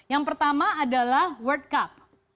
yang pertama adalah world cup